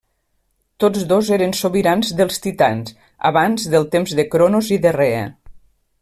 Tots dos eren sobirans dels Titans, abans del temps de Cronos i de Rea.